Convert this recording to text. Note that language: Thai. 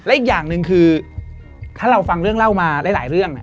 อีกอย่างหนึ่งคือถ้าเราฟังเรื่องเล่ามาหลายเรื่อง